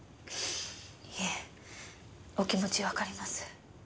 いえお気持ちわかります。